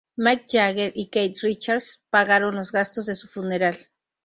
Mick Jagger y Keith Richards pagaron los gastos de su funeral.